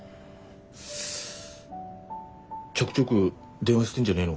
ちょくちょく電話してんじゃねえのが？